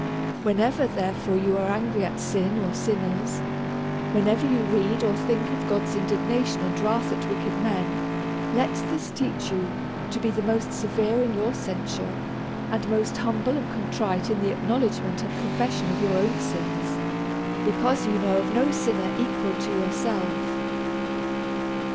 Whenever^ therefore, you are angry at sin or sin ners ; whenever you read or think of God's indigna tion and wrath at wicked men, let this teach you to be the most severe in your censure, and most humble and contrite in the acknowledgement and confession of your own sins, because you know of no sinner equal to yourself.